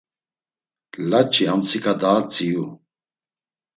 Laç̌i amtsika daa tziu.